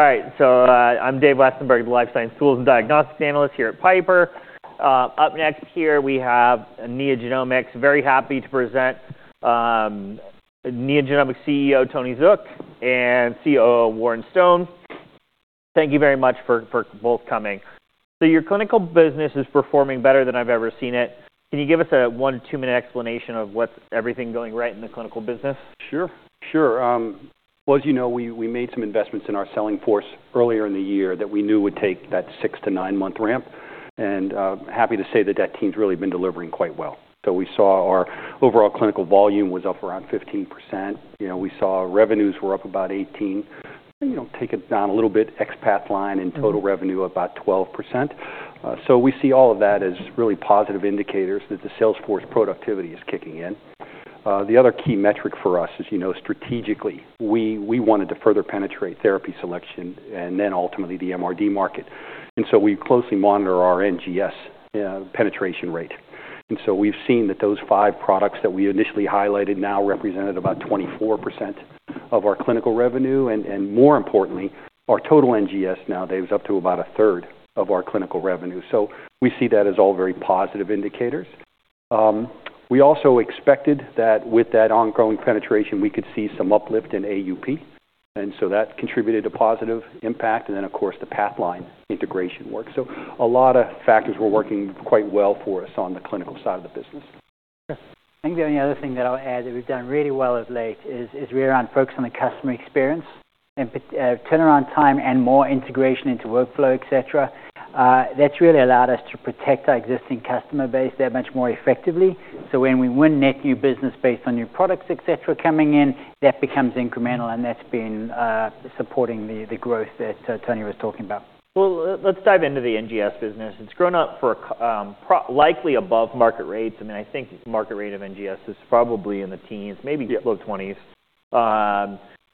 All right. So, I'm Dave Westenberg, the Life Science Tools and Diagnostics Analyst here at Piper. Up next here we have NeoGenomics. Very happy to present NeoGenomics CEO Tony Zook and COO Warren Stone. Thank you very much for both coming. So your clinical business is performing better than I've ever seen it. Can you give us a one- to two-minute explanation of what's everything going right in the clinical business? Sure. Sure. Well, as you know, we made some investments in our sales force earlier in the year that we knew would take that six month-nine month ramp. Happy to say that team's really been delivering quite well. So we saw our overall clinical volume was up around 15%. You know, we saw revenues were up about 18%. You know, take it down a little bit, ex-Pathline and total revenue about 12%. So we see all of that as really positive indicators that the sales force productivity is kicking in. The other key metric for us is, you know, strategically we wanted to further penetrate therapy selection and then ultimately the MRD market. And so we closely monitor our NGS penetration rate. And so we've seen that those five products that we initially highlighted now represented about 24% of our clinical revenue and, more importantly, our total NGS now, Dave, is up to about a third of our clinical revenue. So we see that as all very positive indicators. We also expected that with that ongoing penetration we could see some uplift in AUP. And then, of course, the Pathline integration work. So a lot of factors were working quite well for us on the clinical side of the business. Okay. I think the only other thing that I'll add that we've done really well of late is we're on focus on the customer experience and turnaround time and more integration into workflow, etc. That's really allowed us to protect our existing customer base that much more effectively. So when we win net new business based on new products, etc. coming in, that becomes incremental and that's been supporting the growth that Tony was talking about. Let's dive into the NGS business. It's grown up for a couple probably above market rates. I mean, I think the market rate of NGS is probably in the teens, maybe low twenties.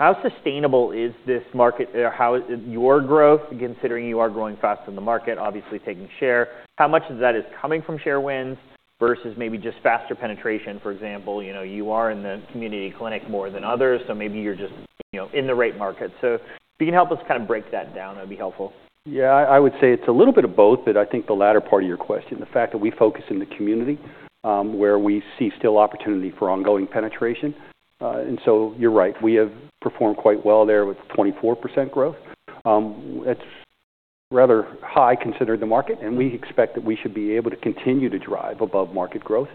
How sustainable is this market? How is your growth, considering you are growing faster than the market, obviously taking share? How much of that is coming from share wins versus maybe just faster penetration, for example? You know, you are in the community clinic more than others, so maybe you're just, you know, in the right market. So if you can help us kind of break that down, that'd be helpful. Yeah. I would say it's a little bit of both, but I think the latter part of your question, the fact that we focus in the community, where we see still opportunity for ongoing penetration, and so you're right. We have performed quite well there with 24% growth. That's rather high considering the market, and we expect that we should be able to continue to drive above market growth,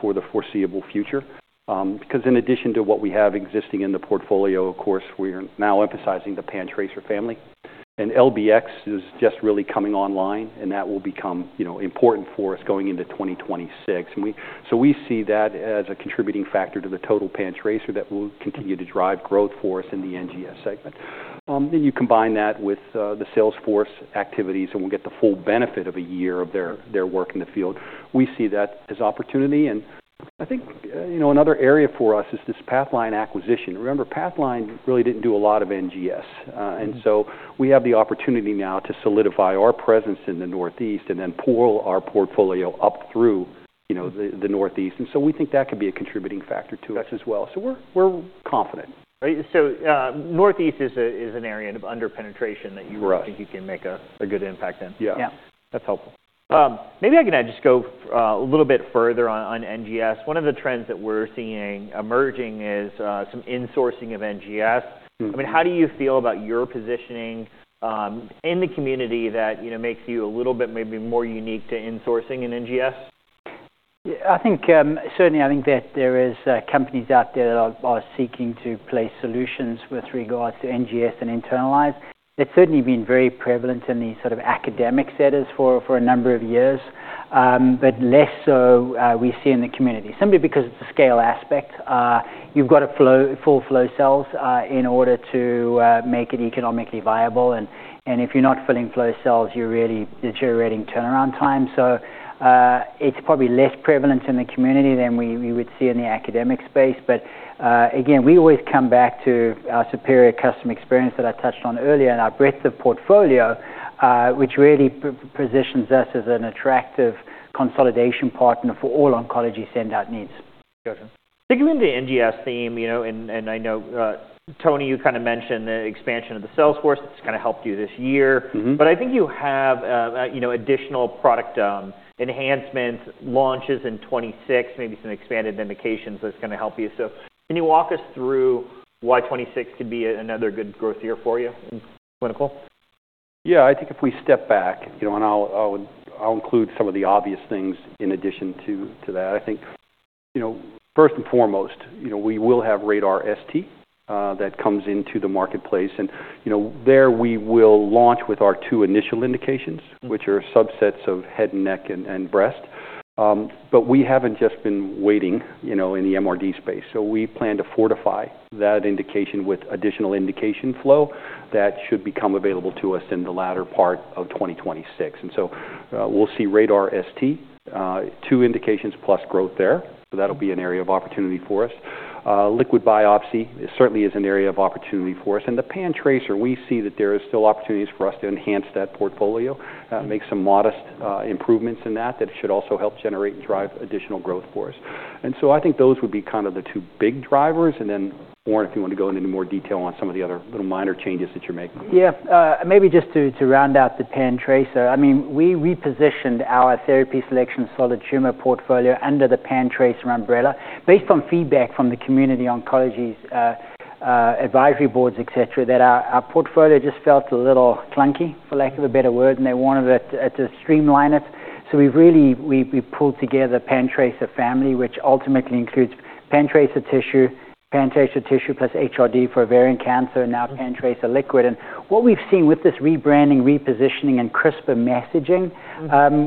for the foreseeable future, because in addition to what we have existing in the portfolio, of course, we are now emphasizing the PanTracer Family. And PanTracer LBX is just really coming online, and that will become, you know, important for us going into 2026. And so we see that as a contributing factor to the total PanTracer that will continue to drive growth for us in the NGS segment. Then you combine that with the sales force activities, and we'll get the full benefit of a year of their work in the field. We see that as opportunity. And I think, you know, another area for us is this Pathline acquisition. Remember, Pathline really didn't do a lot of NGS. And so we have the opportunity now to solidify our presence in the Northeast and then pull our portfolio up through, you know, the Northeast. And so we think that could be a contributing factor to us as well. So we're confident. Right. So, Northeast is an area of under penetration that you. Correct. Think you can make a good impact in. Yeah. Yeah. That's helpful. Maybe I can just go a little bit further on NGS. One of the trends that we're seeing emerging is some insourcing of NGS. Mm-hmm. I mean, how do you feel about your positioning in the community that, you know, makes you a little bit maybe more unique to insourcing in NGS? Yeah. I think, certainly I think that there is companies out there that are seeking to place solutions with regards to NGS and internalize. It's certainly been very prevalent in these sort of academic centers for a number of years, but less so we see in the community. Simply because it's a scale aspect. You've got to flow full flow cells, in order to make it economically viable. And if you're not filling flow cells, you're really deteriorating turnaround time. So, it's probably less prevalent in the community than we would see in the academic space. But, again, we always come back to our superior customer experience that I touched on earlier and our breadth of portfolio, which really positions us as an attractive consolidation partner for all oncology send-out needs. Gotcha. Taking the NGS theme, you know, and I know, Tony, you kind of mentioned the expansion of the sales force that's kind of helped you this year. Mm-hmm. I think you have, you know, additional product enhancements, launches in 2026, maybe some expanded indications that's gonna help you. So can you walk us through why 2026 could be another good growth year for you in clinical? Yeah. I think if we step back, you know, and I'll include some of the obvious things in addition to that. I think, you know, first and foremost, you know, we will have RaDaR ST that comes into the marketplace. And, you know, there we will launch with our two initial indications. Mm-hmm. Which are subsets of head and neck and breast. But we haven't just been waiting, you know, in the MRD space. So we plan to fortify that indication with additional indication flow that should become available to us in the latter part of 2026. And so, we'll see RaDaR ST, two indications plus growth there. So that'll be an area of opportunity for us. Liquid biopsy certainly is an area of opportunity for us. And the PanTracer, we see that there are still opportunities for us to enhance that portfolio, make some modest improvements in that that should also help generate and drive additional growth for us. And so I think those would be kind of the two big drivers. And then, Warren, if you wanna go into any more detail on some of the other little minor changes that you're making. Yeah, maybe just to round out the PanTracer, I mean, we repositioned our therapy selection solid tumor portfolio under the PanTracer umbrella based on feedback from the community oncologists' advisory boards, etc., that our portfolio just felt a little clunky, for lack of a better word, and they wanted it to streamline it. So we've really pulled together the PanTracer Family, which ultimately includes PanTracer Tissue, PanTracer Tissue plus HRD for ovarian cancer, and now PanTracer liquid. And what we've seen with this rebranding, repositioning, and clearer messaging,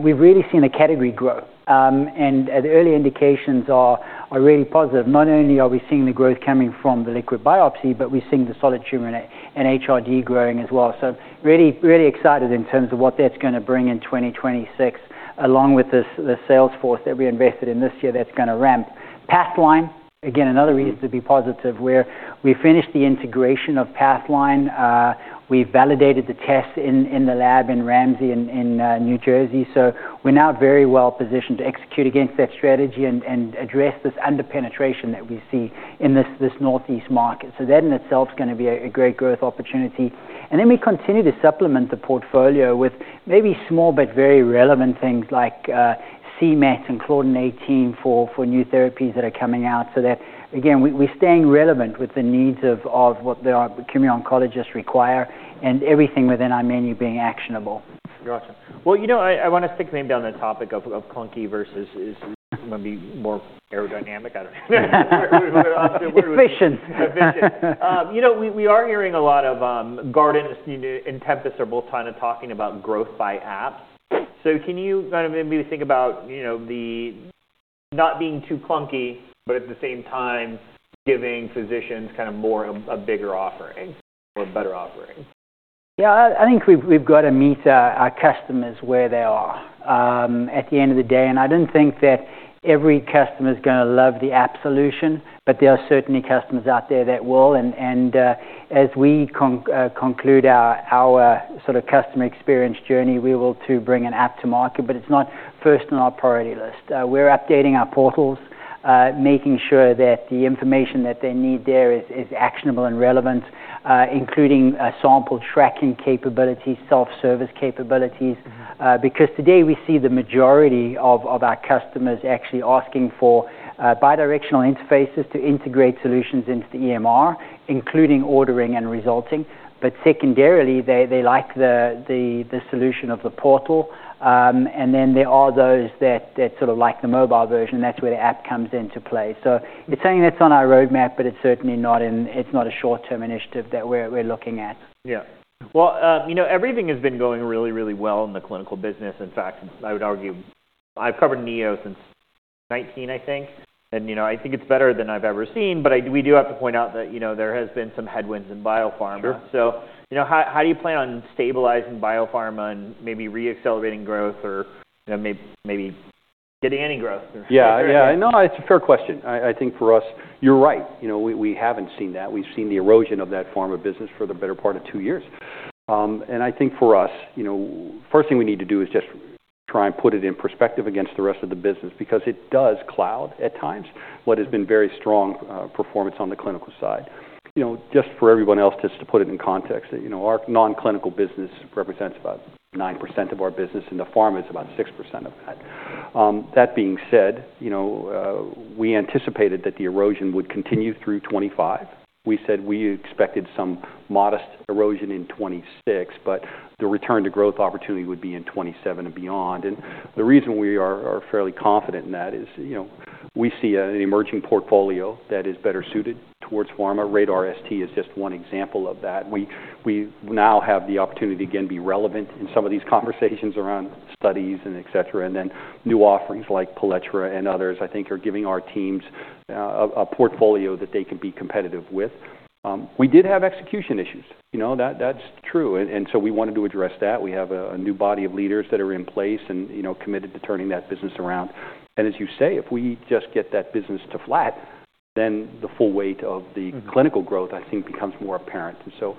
we've really seen a category grow, and the early indications are really positive. Not only are we seeing the growth coming from the liquid biopsy, but we're seeing the solid tumor and HRD growing as well. So really, really excited in terms of what that's gonna bring in 2026 along with this, the sales force that we invested in this year that's gonna ramp Pathline. Again, another reason to be positive where we finished the integration of Pathline. We validated the tests in the lab in Ramsey, N.J. So we're now very well positioned to execute against that strategy and address this under penetration that we see in this Northeast market. So that in itself is gonna be a great growth opportunity. And then we continue to supplement the portfolio with maybe small but very relevant things like c-MET and Claudin- 18 for new therapies that are coming out so that, again, we're staying relevant with the needs of what the community oncologists require and everything within our menu being actionable. Gotcha. Well, you know, I wanna stick maybe on the topic of clunky versus is gonna be more aerodynamic. I don't know. Vision. You know, we are hearing a lot of Guardant and Tempus are both kinda talking about growth by apps. So can you kind of maybe think about, you know, the not being too clunky, but at the same time giving physicians kind of more a bigger offering or a better offering? Yeah. I think we've gotta meet our customers where they are, at the end of the day. And I don't think that every customer's gonna love the app solution, but there are certainly customers out there that will. And as we conclude our sort of customer experience journey, we will too bring an app to market, but it's not first on our priority list. We're updating our portals, making sure that the information that they need there is actionable and relevant, including sample tracking capabilities, self-service capabilities. Because today we see the majority of our customers actually asking for bidirectional interfaces to integrate solutions into the EMR, including ordering and resulting. But secondarily, they like the solution of the portal. And then there are those that sort of like the mobile version, and that's where the app comes into play. So it's something that's on our roadmap, but it's certainly not imminent. It's not a short-term initiative that we're looking at. Yeah. Well, you know, everything has been going really, really well in the clinical business. In fact, I would argue I've covered Neo since 2019, I think. You know, I think it's better than I've ever seen. But we do have to point out that, you know, there has been some headwinds in biopharma. Sure. So, you know, how do you plan on stabilizing biopharma and maybe re-accelerating growth or, you know, maybe getting any growth or? Yeah. Yeah. No, it's a fair question. I, I think for us, you're right. You know, we, we haven't seen that. We've seen the erosion of that form of business for the better part of two years, and I think for us, you know, first thing we need to do is just try and put it in perspective against the rest of the business because it does cloud at times what has been very strong performance on the clinical side. You know, just for everyone else just to put it in context, you know, our non-clinical business represents about 9% of our business, and the pharma is about 6% of that. That being said, you know, we anticipated that the erosion would continue through 2025. We said we expected some modest erosion in 2026, but the return to growth opportunity would be in 2027 and beyond. And the reason we are fairly confident in that is, you know, we see an emerging portfolio that is better suited towards pharma. RaDaR ST is just one example of that. We now have the opportunity to again be relevant in some of these conversations around studies and etc. And then new offerings like Palettra and others, I think, are giving our teams a portfolio that they can be competitive with. We did have execution issues. You know, that's true. And so we wanted to address that. We have a new body of leaders that are in place and, you know, committed to turning that business around. And as you say, if we just get that business to flat, then the full weight of the clinical growth, I think, becomes more apparent. And so,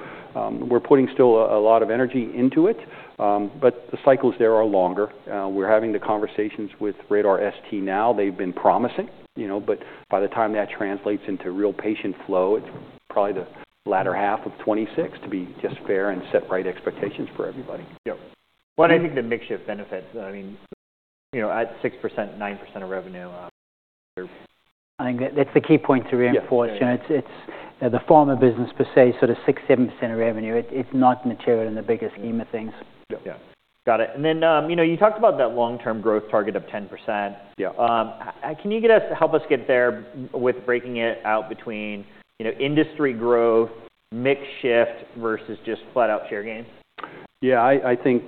we're putting still a lot of energy into it. But the cycles there are longer. We're having the conversations with RaDaR ST now. They've been promising, you know, but by the time that translates into real patient flow, it's probably the latter half of 2026 to be just fair and set right expectations for everybody. Yep. Well, and I think the mixture of benefits, I mean, you know, at 6%, 9% of revenue, they're. I think that's the key point to reinforce. Yeah. You know, it's the pharma business per se, sort of 6%-7% of revenue. It's not material in the bigger scheme of things. Yeah. Got it, and then, you know, you talked about that long-term growth target of 10%. Yeah. Can you help us get there with breaking it out between, you know, industry growth, mix shift versus just flat-out share gains? Yeah. I think,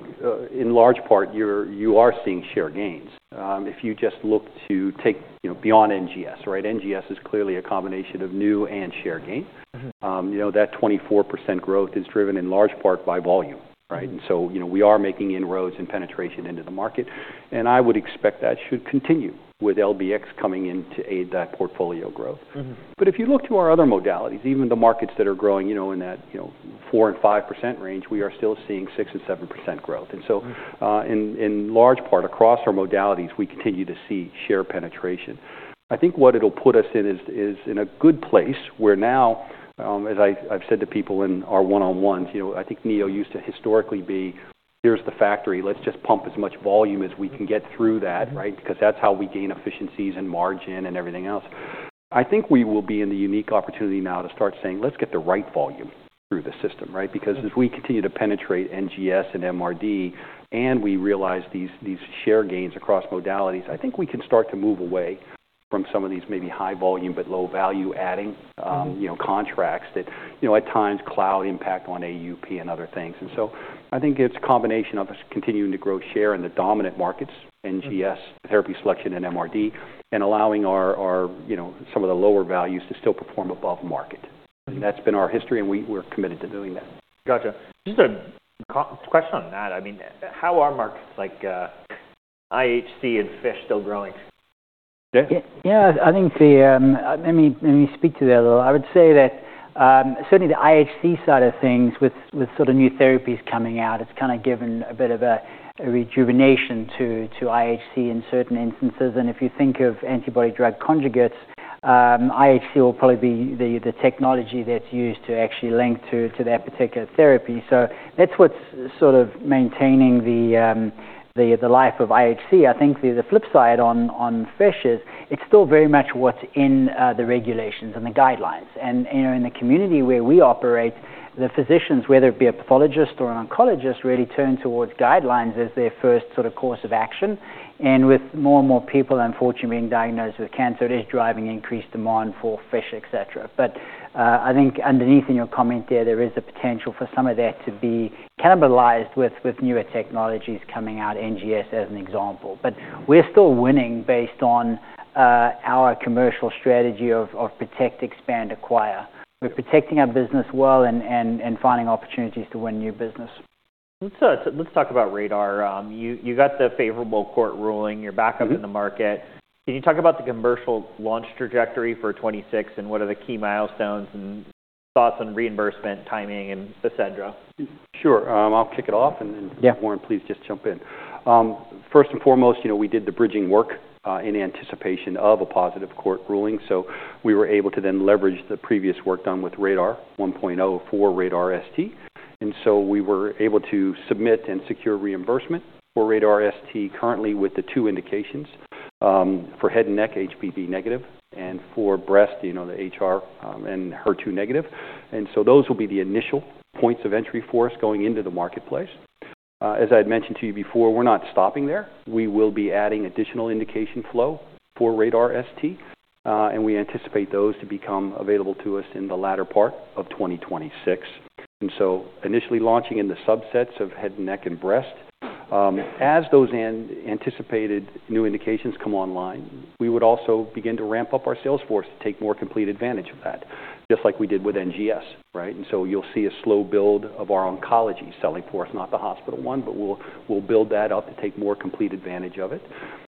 in large part, you are seeing share gains. If you just look to take, you know, beyond NGS, right? NGS is clearly a combination of new and share gains. Mm-hmm. You know, that 24% growth is driven in large part by volume, right? And so, you know, we are making inroads and penetration into the market. And I would expect that should continue with PanTracer LBX coming in to aid that portfolio growth. Mm-hmm. But if you look to our other modalities, even the markets that are growing, you know, in that, you know, 4% and 5% range, we are still seeing 6% and 7% growth. And so, in large part across our modalities, we continue to see share penetration. I think what it'll put us in is in a good place where now, as I've said to people in our one-on-ones, you know, I think Neo used to historically be, "Here's the factory. Let's just pump as much volume as we can get through that," right? Because that's how we gain efficiencies and margin and everything else. I think we will be in the unique opportunity now to start saying, "Let's get the right volume through the system," right? Because as we continue to penetrate NGS and MRD and we realize these share gains across modalities, I think we can start to move away from some of these maybe high volume but low value adding, you know, contracts that, you know, at times cloud impact on AUP and other things. And so I think it's a combination of us continuing to grow share in the dominant markets, NGS, therapy selection and MRD, and allowing our, you know, some of the lower values to still perform above market. And that's been our history, and we, we're committed to doing that. Gotcha. Just a quick question on that. I mean, how are markets like IHC and FISH still growing? Yeah. Yeah. I think, let me speak to that a little. I would say that certainly the IHC side of things with sort of new therapies coming out, it's kind of given a bit of a rejuvenation to IHC in certain instances. And if you think of antibody-drug conjugates, IHC will probably be the technology that's used to actually link to that particular therapy. So that's what's sort of maintaining the life of IHC. I think the flip side on FISH is it's still very much what's in the regulations and the guidelines. And you know, in the community where we operate, the physicians, whether it be a pathologist or an oncologist, really turn towards guidelines as their first sort of course of action. And with more and more people, unfortunately, being diagnosed with cancer, it is driving increased demand for FISH, etc. But I think underneath in your comment there, there is a potential for some of that to be cannibalized with newer technologies coming out, NGS as an example. But we're still winning based on our commercial strategy of protect, expand, acquire. We're protecting our business well and finding opportunities to win new business. Let's talk about RaDaR ST. You got the favorable court ruling. You're back up in the market. Can you talk about the commercial launch trajectory for 2026 and what are the key milestones and thoughts on reimbursement, timing, and etc.? Sure. I'll kick it off and then. Yeah. Warren, please just jump in. First and foremost, you know, we did the bridging work in anticipation of a positive court ruling. So we were able to then leverage the previous work done with RaDaR 1.0 for RaDaR ST. And so we were able to submit and secure reimbursement for RaDaR ST currently with the two indications for head and neck, HPV negative, and for breast, you know, the HR-negative, and HER2-negative. And so those will be the initial points of entry for us going into the marketplace. As I had mentioned to you before, we're not stopping there. We will be adding additional indication flow for RaDaR ST, and we anticipate those to become available to us in the latter part of 2026. Initially launching in the subsets of head and neck and breast, as those anticipated new indications come online, we would also begin to ramp up our sales force to take more complete advantage of that, just like we did with NGS, right? You'll see a slow build of our oncology sales force, not the hospital one, but we'll build that up to take more complete advantage of it.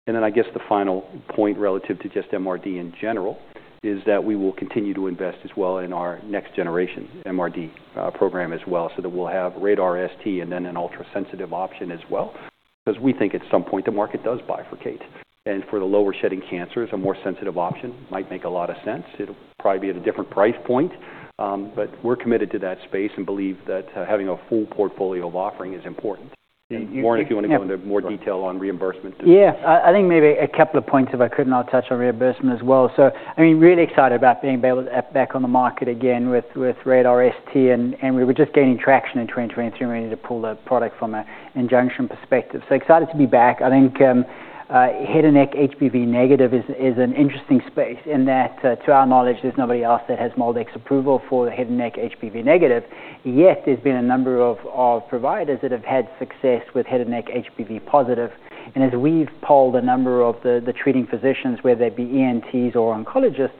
The final point relative to just MRD in general is that we will continue to invest as well in our next-generation MRD program as well so that we'll have RaDaR ST and then an ultrasensitive option as well because we think at some point the market does bifurcate. For the lower-shedding cancers, a more sensitive option might make a lot of sense. It'll probably be at a different price point. But we're committed to that space and believe that, having a full portfolio of offerings is important. And, and. Warren, if you wanna go into more detail on reimbursement. Yeah. I think maybe a couple of points if I could, and I'll touch on reimbursement as well. So, I mean, really excited about being able to back on the market again with RaDaR ST, and we were just gaining traction in 2023 when we needed to pull the product from a injunction perspective. So excited to be back. I think head and neck HPV-negative is an interesting space in that, to our knowledge, there's nobody else that has MolDX approval for the head and neck HPV-negative. Yet there's been a number of providers that have had success with head and neck HPV positive. And as we've polled a number of the treating physicians, whether they be ENTs or Oncologists,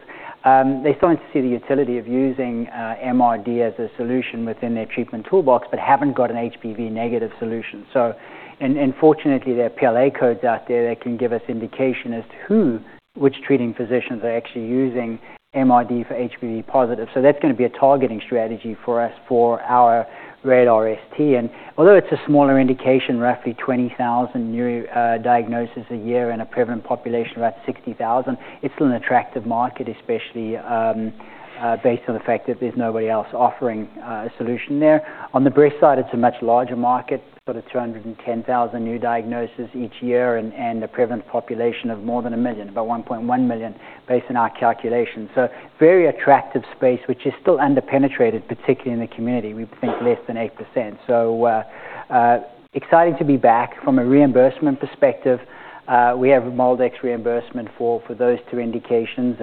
they started to see the utility of using MRD as a solution within their treatment toolbox but haven't got an HPV-negative solution. So and fortunately, there are PLA codes out there that can give us indication as to which treating physicians are actually using MRD for HPV positive. So that's gonna be a targeting strategy for us for our RaDaR ST. And although it's a smaller indication, roughly 20,000 new diagnoses a year in a prevalent population of about 60,000, it's still an attractive market, especially based on the fact that there's nobody else offering a solution there. On the breast side, it's a much larger market, sort of 210,000 new diagnoses each year and a prevalent population of more than a million, about 1.1 million based on our calculation. So very attractive space, which is still underpenetrated, particularly in the community. We think less than 8%. So, exciting to be back. From a reimbursement perspective, we have MolDX reimbursement for those two indications.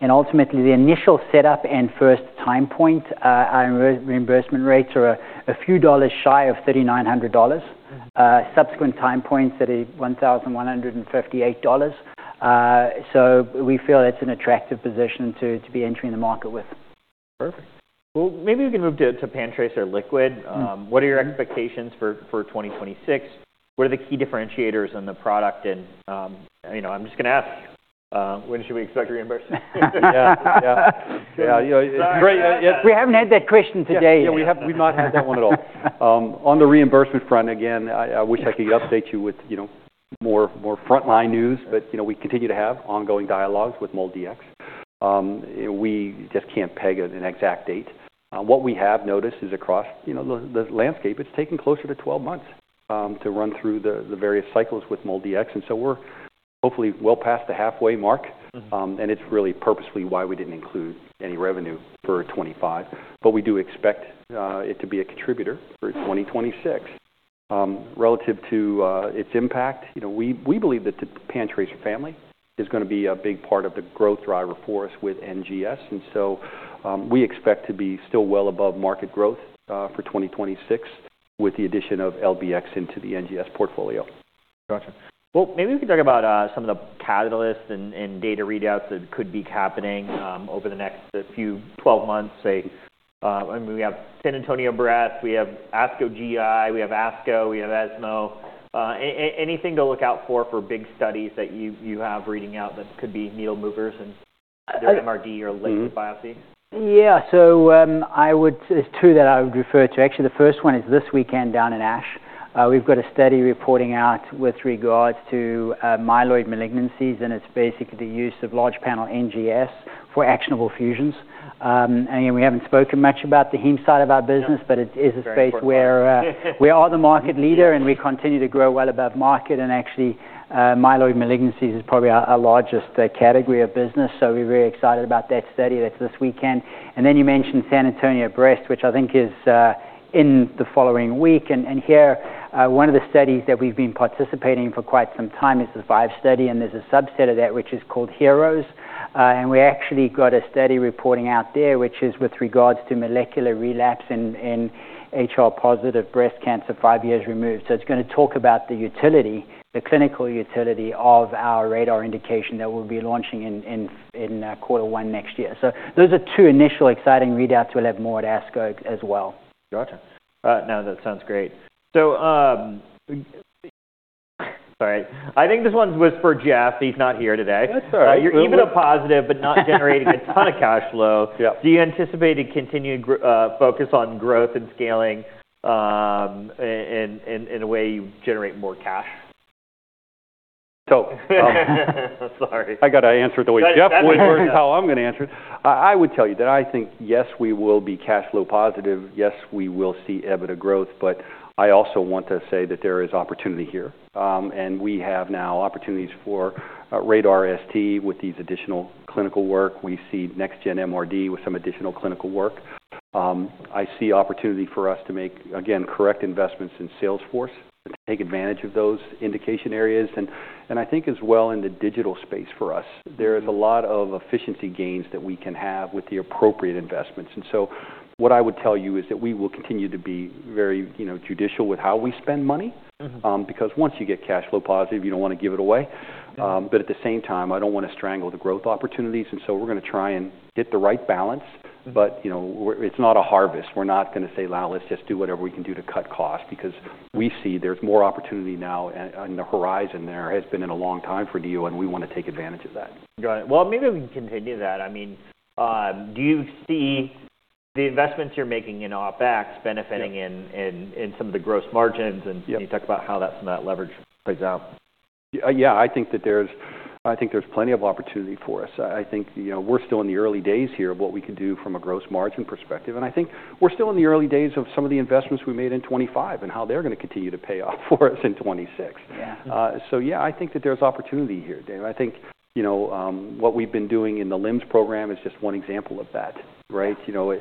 And ultimately, the initial setup and first time point, our reimbursement rates are a few dollars shy of $3,900. Subsequent time points at $1,158. So we feel it's an attractive position to be entering the market with. Perfect. Well, maybe we can move to PanTracer PanTracer LBX. What are your expectations for 2026? What are the key differentiators in the product? And, you know, I'm just gonna ask, when should we expect reimbursement? Yeah. Yeah. Yeah. You know, it's great. We haven't had that question today. Yeah. Yeah. We have not had that one at all. On the reimbursement front, again, I wish I could update you with, you know, more frontline news, but, you know, we continue to have ongoing dialogues with MolDX. We just can't peg an exact date. What we have noticed is across, you know, the landscape, it's taken closer to 12 months to run through the various cycles with MolDX. And so we're hopefully well past the halfway mark. Mm-hmm. And it's really purposely why we didn't include any revenue for 2025. But we do expect it to be a contributor for 2026. Relative to its impact, you know, we believe that the PanTracer Family is gonna be a big part of the growth driver for us with NGS. And so, we expect to be still well above market growth for 2026 with the addition of PanTracer LBX into the NGS portfolio. Gotcha. Well, maybe we can talk about some of the catalysts and data readouts that could be happening over the next few 12 months, say. I mean, we have San Antonio Breast Cancer Symposium. We have ASCO GI Cancers Symposium. We have ASCO. We have ESMO. Anything to look out for for big studies that you have reading out that could be needle movers and either MRD or liquid biopsy? Yeah. So, I would it's two that I would refer to. Actually, the first one is this weekend down in ASH. We've got a study reporting out with regards to myeloid malignancies, and it's basically the use of large panel NGS for actionable fusions. And you know, we haven't spoken much about the heme side of our business, but it is a space where we are the market leader and we continue to grow well above market. And actually, myeloid malignancies is probably our largest category of business. So we're very excited about that study that's this weekend. And then you mentioned San Antonio Breast Cancer Symposium, which I think is in the following week. And, and here, one of the studies that we've been participating in for quite some time is the VIVE study, and there's a subset of that which is called Healing Heroes. And we actually got a study reporting out there, which is with regards to molecular relapse in HR-positive breast cancer five years removed. So it's gonna talk about the utility, the clinical utility of our RaDaR ST indication that we'll be launching in quarter one next year. So those are two initial exciting readouts we'll have more at ASCO as well. Gotcha. All right. No, that sounds great. So, sorry. I think this one was for Jeff. He's not here today. That's all right. You're even a positive, but not generating a ton of cash flow. Yeah. Do you anticipate a continued growth, focus on growth and scaling, in a way you generate more cash? Totally. Sorry. I gotta answer it the way Jeff would versus how I'm gonna answer it. I would tell you that I think, yes, we will be cash flow positive. Yes, we will see EBITDA growth. But I also want to say that there is opportunity here, and we have now opportunities for RaDaR ST with these additional clinical work. We see next-gen MRD with some additional clinical work. I see opportunity for us to make, again, correct investments in sales force and take advantage of those indication areas. And I think as well in the digital space for us, there is a lot of efficiency gains that we can have with the appropriate investments. And so what I would tell you is that we will continue to be very, you know, judicious with how we spend money. Mm-hmm. because once you get cash flow positive, you don't wanna give it away. But at the same time, I don't wanna strangle the growth opportunities. And so we're gonna try and hit the right balance. But, you know, we're. It's not a harvest. We're not gonna say, "Wow, let's just do whatever we can do to cut costs," because we see there's more opportunity now and the horizon there has been in a long time for Neo. We wanna take advantage of that. Got it. Well, maybe we can continue that. I mean, do you see the investments you're making in OpEX benefiting in some of the gross margins? And can you talk about how some of that leverage plays out? Yeah. I think there's plenty of opportunity for us. I think, you know, we're still in the early days here of what we can do from a gross margin perspective. And I think we're still in the early days of some of the investments we made in 2025 and how they're gonna continue to pay off for us in 2026. Yeah. So yeah, I think that there's opportunity here, Dave. I think, you know, what we've been doing in the LIMS program is just one example of that, right? You know,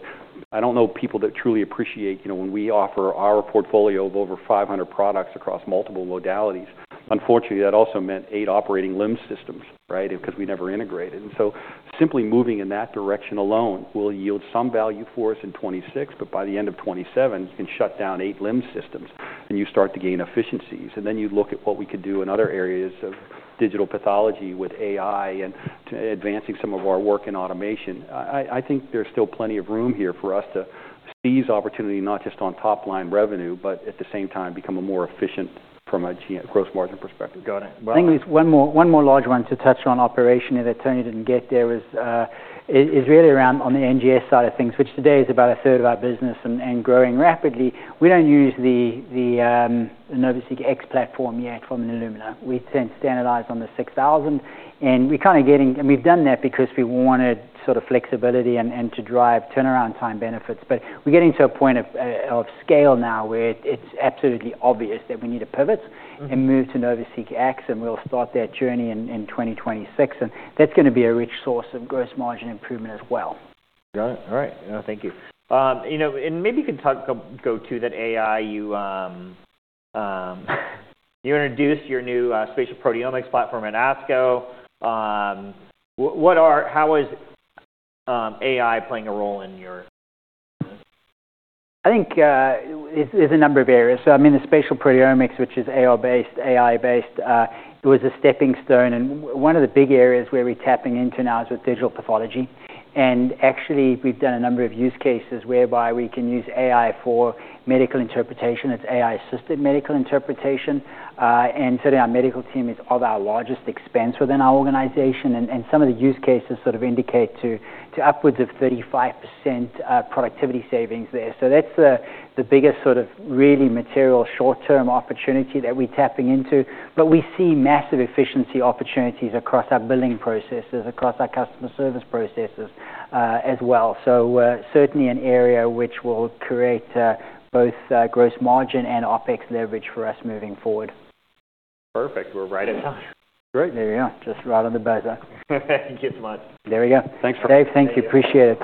I don't know people that truly appreciate, you know, when we offer our portfolio of over 500 products across multiple modalities. Unfortunately, that also meant eight operating LIMS systems, right, because we never integrated. And so simply moving in that direction alone will yield some value for us in 2026. But by the end of 2027, you can shut down eight LIMS systems and you start to gain efficiencies. And then you look at what we could do in other areas of digital pathology with AI and advancing some of our work in automation. I think there's still plenty of room here for us to seize opportunity, not just on top-line revenue, but at the same time become more efficient from a gross margin perspective. Got it. Well. I think there's one more large one to touch on operationally if I turn to it and get there. It's really around the NGS side of things, which today is about a third of our business and growing rapidly. We don't use the NovaSeq X platform yet from Illumina. We tend to standardize on the 6,000. And we're kinda getting and we've done that because we wanted sort of flexibility and to drive turnaround time benefits. But we're getting to a point of scale now where it's absolutely obvious that we need to pivot and move to NovaSeq X. And we'll start that journey in 2026. And that's gonna be a rich source of gross margin improvement as well. Got it. All right. No, thank you. You know, and maybe you can talk to that AI you introduced, your new spatial proteomics platform at ASCO. What, how is AI playing a role in your business? I think there's a number of areas. So, I mean, the spatial proteomics, which is AI-based, was a stepping stone. And one of the big areas where we're tapping into now is with digital pathology. And actually, we've done a number of use cases whereby we can use AI for medical interpretation. It's AI-assisted medical interpretation. And today our medical team is one of our largest expense within our organization. And some of the use cases sort of indicate to upwards of 35% productivity savings there. So that's the biggest sort of really material short-term opportunity that we're tapping into. But we see massive efficiency opportunities across our billing processes, across our customer service processes, as well. So, certainly an area which will create both gross margin and OpEx leverage for us moving forward. Perfect. We're right at time. Great. There you go. Just right on the buzzer. Thank you so much. There you go. Thanks for. Dave, thank you. Appreciate it.